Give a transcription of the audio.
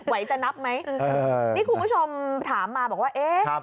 ไหวจะนับไหมนี่คุณผู้ชมถามมาบอกว่าเอ๊ะ